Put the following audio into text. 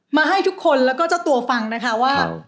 มาให้ทุกคนแล้วก็เจ้าตัวฟังนะคะว่า